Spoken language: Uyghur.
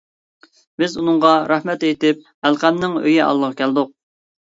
بىز ئۇنىڭغا رەھمەت ئېيتىپ ئەلقەمنىڭ ئۆيى ئالدىغا كەلدۇق.